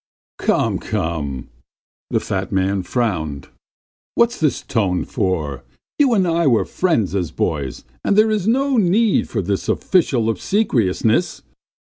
He he!" "Come, come!" the fat man frowned. "What's this tone for? You and I were friends as boys, and there is no need of this official obsequiousness!"